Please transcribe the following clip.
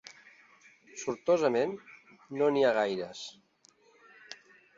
Sortosament, no n’hi ha gaires!